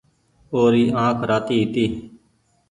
او ري آنک راتي هيتي